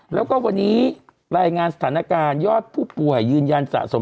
แล้วก็วันนี้รายงานสถานการณ์ยอดผู้ป่วยยืนยันสะสม